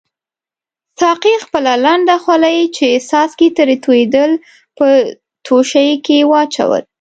ساقي خپله لنده خولۍ چې څاڅکي ترې توییدل په دوشۍ کې واچول.